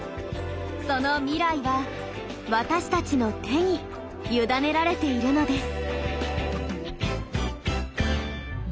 その未来は私たちの手に委ねられているのです。